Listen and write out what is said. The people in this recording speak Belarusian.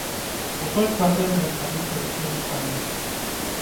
У той кватэры засталіся і ўсе ўспаміны.